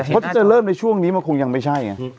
เพราะที่จะเริ่มในช่วงนี้มันคงยังไม่ใช่ไง